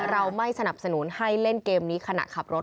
เราไม่สนับสนุนให้เล่นเกมนี้ขณะขับรถ